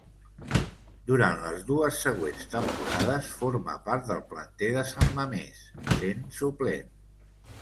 Durant les dues següents temporades forma part del planter de San Mamés, sent suplent.